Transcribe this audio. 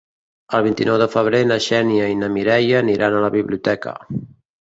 El vint-i-nou de febrer na Xènia i na Mireia aniran a la biblioteca.